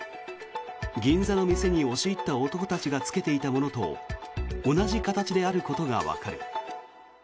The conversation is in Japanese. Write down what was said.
銀座の店に押し入った男たちが着けていたものと同じ形であることがわかる。